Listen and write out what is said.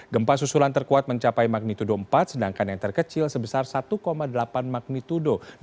gempa susulan terkuat mencapai magnitudo empat sedangkan yang terkecil sebesar satu delapan magnitudo